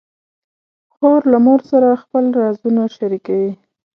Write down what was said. خور له مور سره خپل رازونه شریکوي.